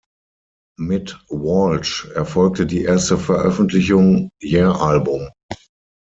Mit Walsh erfolgte die erste Veröffentlichung „Yer-Album“.